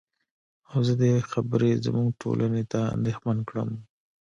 او زه دې خبرې زمونږ ټولنې ته اندېښمن کړم.